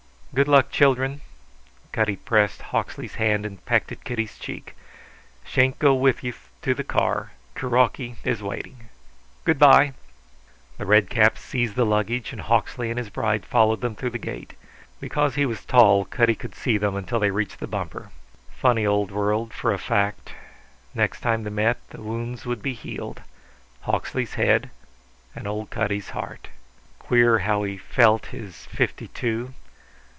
"Good luck, children!" Cutty pressed Hawksley's hand and pecked at Kitty's cheek. "Shan't go through with you to the car. Kuroki is waiting. Good bye!" The redcaps seized the luggage, and Hawksley and his bride followed them through the gate. Because he was tall Cutty could see them until they reached the bumper. Funny old world, for a fact. Next time they met the wounds would be healed Hawksley's head and old Cutty's heart. Queer how he felt his fifty two.